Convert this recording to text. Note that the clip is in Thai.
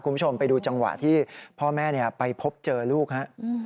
คุณผู้ชมไปดูจังหวะที่พ่อแม่ไปพบเจอลูกฮะ